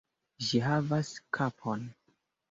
Ĝi havas kapon!